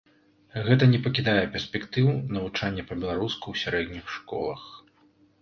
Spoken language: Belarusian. Гэта не пакідае перспектыў навучанню па-беларуску ў сярэдніх школах.